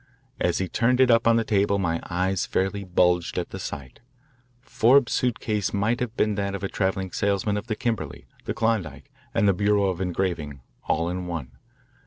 As he turned it up on the table my eyes fairly bulged at the sight. Forbes' suit case might have been that of a travelling salesman for the Kimberley, the Klondike, and the Bureau of Engraving, all in one.